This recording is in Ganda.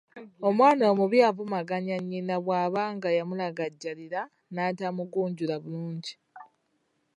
Omwana omubi avumaganya nnyina bw’abanga yamulagajjalira n’atamugunjula bulungi.